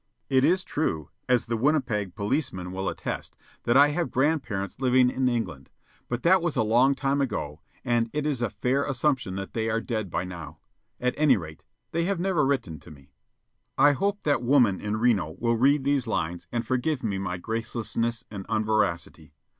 It is true, as the Winnipeg policemen will attest, that I have grandparents living in England; but that was a long time ago and it is a fair assumption that they are dead by now. At any rate, they have never written to me. I hope that woman in Reno will read these lines and forgive me my gracelessness and unveracity.